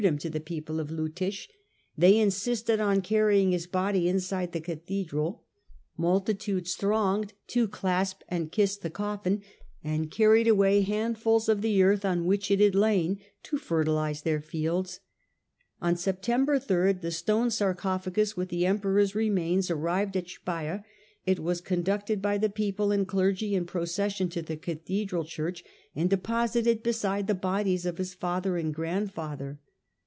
185 him to the people of Liittich ; they insisted on carrying the body inside the cathedral ; multitudes thronged to clasp and kiss the coffin, and carried away handfuls of the earth on which it had lain, to fertilise their fields. On September 3, the stone sarcophagus with the emperor's remains arrived at Speier ; it was conducted by the people and clergy in procession to the cathedral church, and deposited beside the bodies of his father and grandfather.